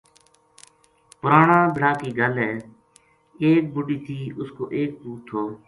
پرانا بِڑا کی گل ہے ایک بُڈھی تھی اُس کو ایک پوت تھو